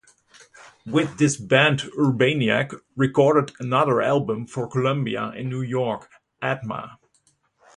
With this band Urbaniak recorded another album for Columbia in New York: "Atma".